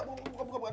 mana buka buka buka